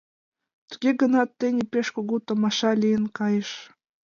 Туге гынат тений пеш кугу томаша лийын кайыш.